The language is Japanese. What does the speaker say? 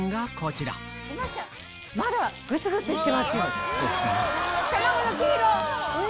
まだグツグツいってますよ。